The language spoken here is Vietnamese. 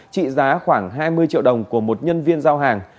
trị giá khoảng hai mươi triệu đồng của một nhân viên giao hàng